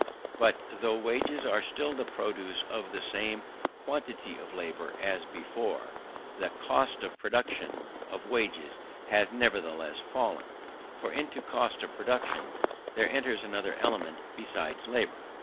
But though wages are still the produce of the same quantity of labour as before, the cost of production of wages has nevertheless fallen; for into cost of production there enters another element besides labour.